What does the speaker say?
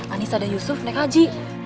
anissa dan yusuf naik haji